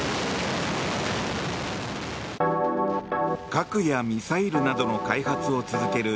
核やミサイルなどの開発を続ける